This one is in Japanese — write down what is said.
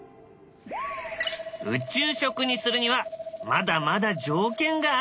宇宙食にするにはまだまだ条件があるんだ。